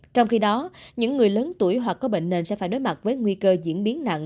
trong khi đó những người lớn tuổi hoặc có bệnh nền sẽ phải đối mặt với nguy cơ diễn biến nặng